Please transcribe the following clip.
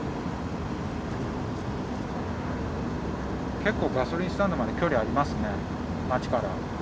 結構ガソリンスタンドまで距離ありますね町から。